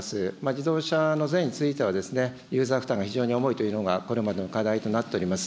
自動車の税についてはユーザー負担が非常に重いというのがこれまでの課題となっております。